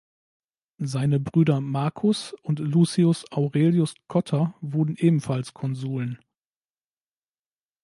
Seine Brüder Marcus und Lucius Aurelius Cotta wurden ebenfalls Konsuln.